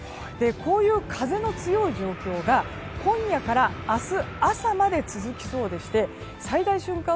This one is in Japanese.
こういう風の強い状況が今夜から明日朝まで続きそうで最大瞬間